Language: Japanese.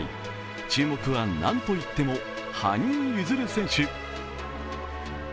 注目は、なんといっても羽生結弦選手。